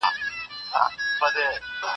زه به کتابتوني کار کړي وي.